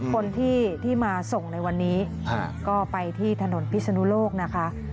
คนที่มาส่งในวันนี้ก็ไปที่ถนนพิศนุโลกนะคะ